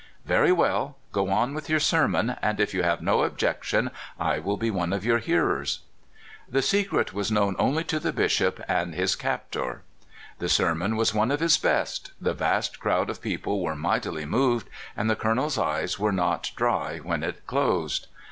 "Very well; go on with your sermon, and if you have no objection I will be one of your hearers." The secret was known only to the Bishop and his captor. The sermon was one of his best — the vast crowd of people were mightily moved, and the Colonel's eyes were not dry when it closed.